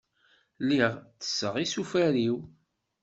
Lliɣ tesseɣ isufar-iw.